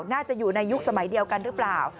น่าจะอยู่ในยุคสมัยเดียวกันหรือเปล่า